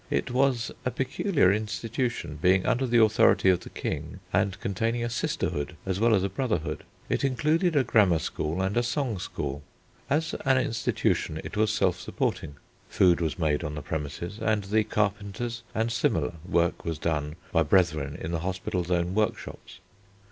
It was a peculiar institution, being under the authority of the King, and containing a sisterhood as well as a brotherhood. It included a grammar school and a song school. As an institution it was self supporting; food was made on the premises, and the carpenters' and similar work was done by brethren in the Hospital's own workshops.